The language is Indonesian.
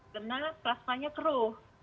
karena plasmanya keruh